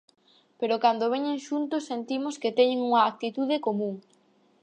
Pero cando veñen xuntos sentimos que teñen unha actitude común.